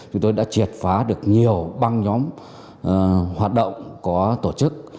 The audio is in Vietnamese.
chúng tôi đã triệt phá được nhiều băng nhóm hoạt động có tổ chức